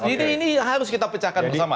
jadi ini harus kita pecahkan bersama